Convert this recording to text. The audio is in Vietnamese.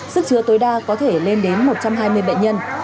sức chứa tối đa có thể lên đến một trăm hai mươi bệnh nhân